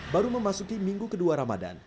baru memasuki minggu kedua ramadan